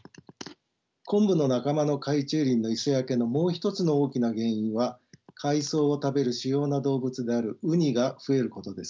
コンブの仲間の海中林の磯焼けのもう一つの大きな原因は海藻を食べる主要な動物であるウニが増えることです。